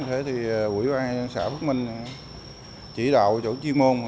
thế thì quỹ ban xã phước minh chỉ đạo chủ chuyên môn